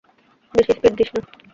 বেশি স্পীড দিস না।